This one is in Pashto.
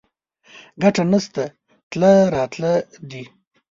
ګټه نشته تله راتله دي